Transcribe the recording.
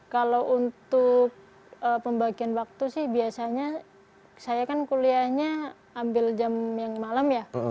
kalau untuk pembagian waktu sih biasanya saya kan kuliahnya ambil jam yang malam ya